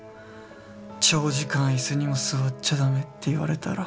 長時間椅子にも座っちゃ駄目」って言われたら。